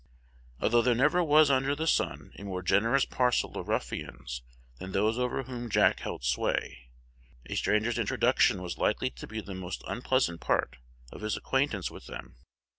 Although there never was under the sun a more generous parcel of ruffians than those over whom Jack held sway, a stranger's introduction was likely to be the most unpleasant part of his acquaintance with them.